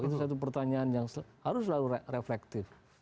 itu satu pertanyaan yang harus selalu reflektif